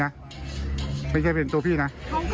เขาก็น่าจะหมายถึงตัวหนูแล้วพี่เพราะว่าหนูเปิดประจำ